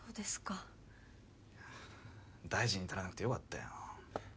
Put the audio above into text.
いや大事に至らなくてよかったよ。